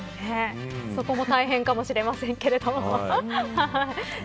そこも大変かもしれませんけれども。